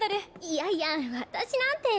いやいや私なんて。